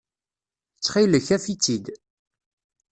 Ttxil-k, af-itt-id.